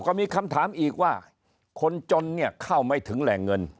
ก็มีคำถามอีกว่าคนจนเข้าไม่ถึงแรงเงิน